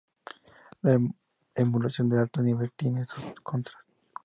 La emulación de alto nivel tienes sus contras.